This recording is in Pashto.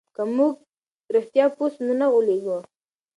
که موږ رښتیا پوه سو نو نه غولېږو.